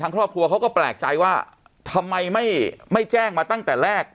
ครอบครัวเขาก็แปลกใจว่าทำไมไม่แจ้งมาตั้งแต่แรก